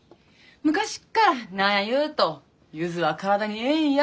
昔から何やいうと「柚子は体にええんや！」